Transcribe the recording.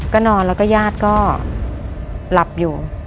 ก็นอนแล้วก็ญาติก็หลับอยู่